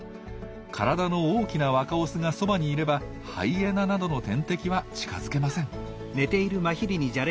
体の大きな若オスがそばにいればハイエナなどの天敵は近づけません。